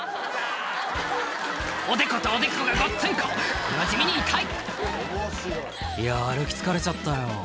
おでことおでこがごっつんここれは地味に痛い「いや歩き疲れちゃったよ」